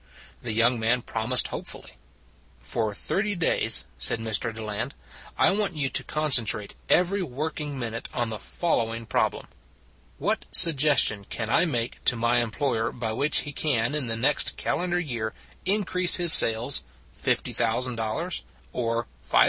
The young man promised hopefully. " For thirty days," said Mr. Deland, " I want you to concentrate every working minute on the following problem : What suggestion can I make to my employer by which he can in the next calendar year in crease his sales $50,000, or $5,000, or $500, or $100?